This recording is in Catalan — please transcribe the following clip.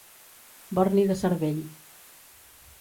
Borni de cervell.